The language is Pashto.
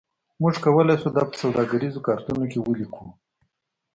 موږ کولی شو دا په سوداګریزو کارتونو کې ولیکو